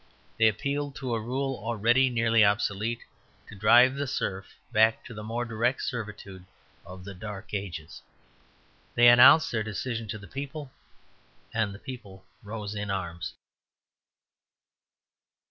They appealed to a rule already nearly obsolete, to drive the serf back to the more direct servitude of the Dark Ages. They announced their decision to the people, and the people rose in arms.